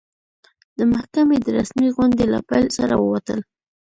د محکمې د رسمي غونډې له پیل سره ووتل.